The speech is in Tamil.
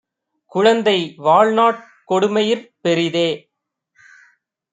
குழந்தை வாழ்நாட் கொடுமையிற் பெரிதே.